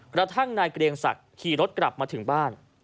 กระทั่งนายเกรียงศักดิ์ขี่รถกลับมาถึงบ้าน